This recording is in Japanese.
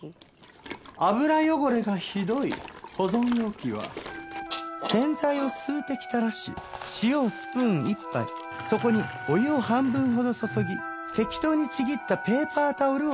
油汚れがひどい保存容器は洗剤を数滴垂らし塩をスプーン１杯そこにお湯を半分ほど注ぎ適当にちぎったペーパータオルを入れます。